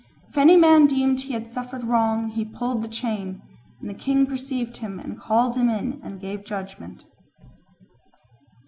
If any man deemed he had suffered wrong, he pulled the chain, and the king perceived him and called him in and gave judgment.